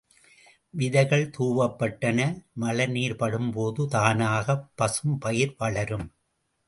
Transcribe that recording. விதைகள் தூவப்பட்டன மழை நீர் படும் போது தானாகப் பசும் பயிர் வளரும்.